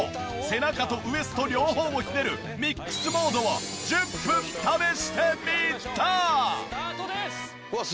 背中とウエスト両方をひねるミックスモードを１０分試してみた！